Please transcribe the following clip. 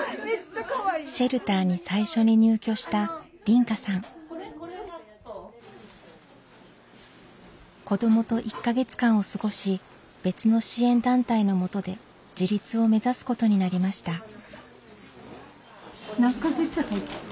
シェルターに最初に入居した子どもと１か月間を過ごし別の支援団体のもとで自立を目指すことになりました。